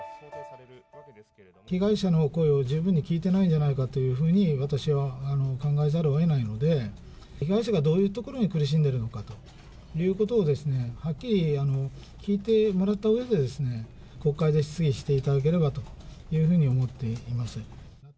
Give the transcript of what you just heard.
被害者の声を十分に聞いてないんじゃないかというふうに、私は考えざるをえないので、被害者がどういうところに苦しんでるのかということを、はっきり聞いてもらったうえで、国会で質疑していただければというふうに思っています。